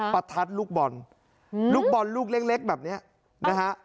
ประทัดลูกบอลลูกบอลลูกเล็กแบบนี้นะฮะ